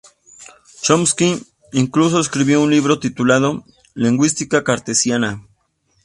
Chomsky incluso escribió un libro titulado "Lingüística cartesiana".